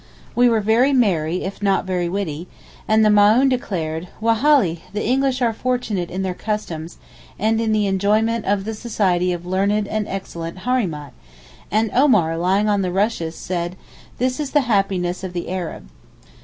We were very merry, if not very witty, and the Maōhn declared, 'Wallahi! the English are fortunate in their customs, and in the enjoyment of the society of learned and excellent Hareemat;' and Omar, lying on the rushes, said: 'This is the happiness of the Arab.